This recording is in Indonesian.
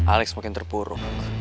alex makin terpuruk